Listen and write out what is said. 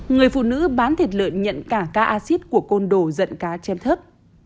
người phụ nữ bán thịt lợn nhận cả ca acid của con đồ giận cá chém thớp